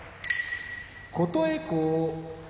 琴恵光